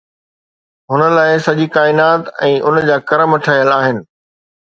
هن لاءِ سڄي ڪائنات ۽ ان جا ڪرم ٺهيل آهن